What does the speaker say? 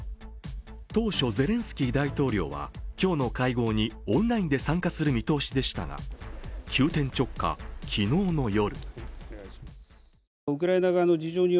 当初、ゼレンスキー大統領は今日の会合にオンラインで参加する見通しでしたが、急転直下、昨日の夜。